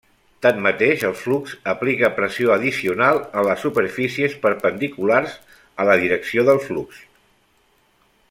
Tanmateix, el flux aplica pressió addicional en les superfícies perpendiculars a la direcció del flux.